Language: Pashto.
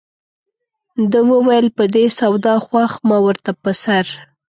ده وویل په دې سودا خوښ ما ورته په سر.